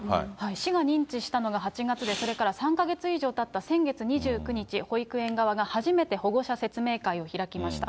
市が認知したのが８月で、それから３か月以上たった先月２９日、保育園側が初めて保護者説明会を開きました。